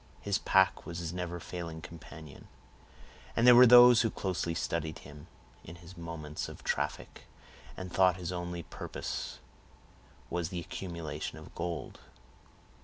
His pack was his never failing companion; and there were those who closely studied him, in his moments of traffic, and thought his only purpose was the accumulation of gold.